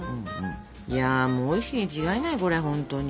いやもうおいしいに違いないこれほんとに。